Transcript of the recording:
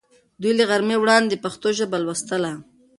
دوی له غرمې وړاندې پښتو ژبه لوستله.